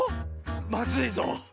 まずいぞ。